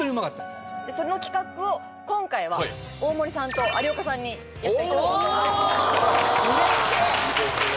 その企画を今回は大森さんと有岡さんにやっていただこうと思いますうれしい！